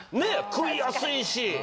食いやすいし。